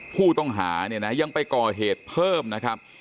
ผู้ต้องหายังไปก่อเหตุเพิ่มนะครับ